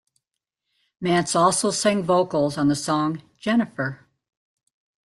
Mats also sang vocals on the song "Jennyfer".